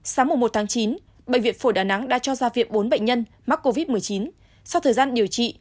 sáng một một tháng chín bệnh viện phổ đà nẵng đã cho ra việc bốn bệnh nhân mắc covid một mươi chín sau thời gian điều trị